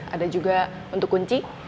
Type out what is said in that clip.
ada juga untuk kunci